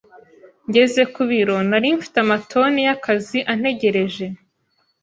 Ngeze ku biro, nari mfite amatoni y'akazi antegereje.